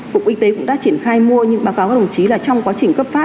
cục y tế cũng đã triển khai mua nhưng báo cáo các đồng chí là trong quá trình cấp phát